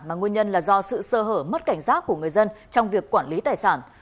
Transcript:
mà nguyên nhân là do sự sơ hở mất cảnh giác của người dân trong việc quản lý tài sản